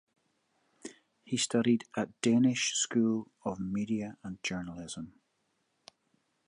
He studied at Danish School of Media and Journalism.